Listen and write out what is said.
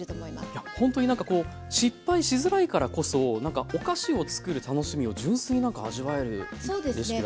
いやほんとになんかこう失敗しづらいからこそなんかお菓子をつくる楽しみを純粋になんか味わえるレシピだと思いましたね。